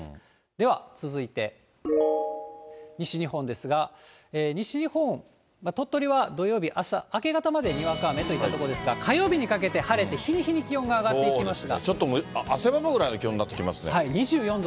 では続いて、西日本ですが、西日本、鳥取は土曜日、あした明け方までにわか雨といったところですが、火曜日にかけて晴れて、日に日に気温が上がっていきますが。